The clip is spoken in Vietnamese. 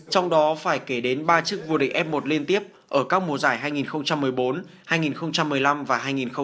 trong đó phải kể đến ba chức vô địch f một liên tiếp ở các mùa giải hai nghìn một mươi bốn hai nghìn một mươi năm và hai nghìn một mươi tám